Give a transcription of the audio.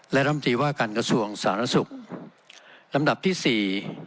และรำตีว่าการกระทรวงสาธารณสุขลำดับที่สี่